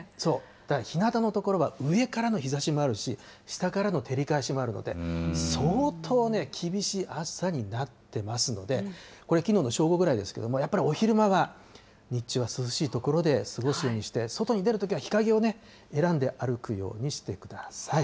だからひなたの所は上からの日ざしもあるし、下からの照り返しもあるので、相当厳しい暑さになってますので、これ、きのうの正午ぐらいですけれども、やっぱりお昼間が、日中は涼しい所で過ごすようにして、外に出るときは日陰を選んで歩くようにしてください。